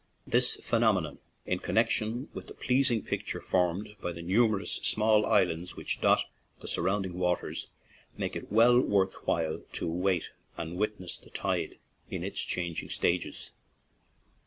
This phenomenon, in connection with the pleasing picture formed by the numerous small islands which dot the surrounding waters, makes it well worth while to wait and witness the tide in its changing stages.